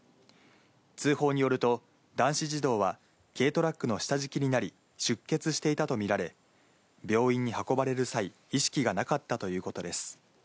通報によると、男子児童は、軽トラックの下敷きになり、出血していたと見られ、病院に運ばれる際、意識がなかったということです。